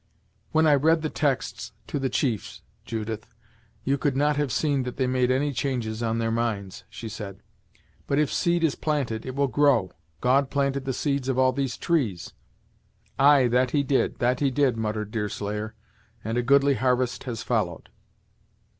"When I read the texts to the chiefs, Judith, you could not have seen that they made any changes on their minds," she said, "but if seed is planted, it will grow. God planted the seeds of all these trees " "Ay that did he that did he " muttered Deerslayer; "and a goodly harvest has followed."